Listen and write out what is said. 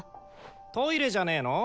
トイレじゃねえの？